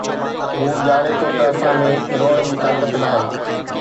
هو ڄاڻي ٿو ته اسان ۾ روئڻ جي طاقت ناهي